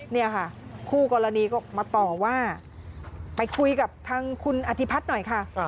เนี่ยค่ะคู่กรณีก็มาต่อว่าไปคุยกับทางคุณอธิพัฒน์หน่อยค่ะ